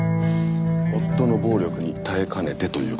夫の暴力に耐えかねてという事ですか？